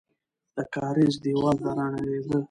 د کارېز دیوال به رانړېده.